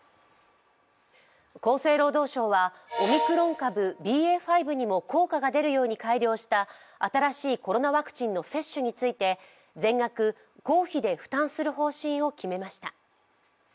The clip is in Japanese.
厚生労働省はオミクロン株ＢＡ．５にも効果が出るように改良した新しいコロナワクチンの接種について全額、公費で負担する方針を決めました。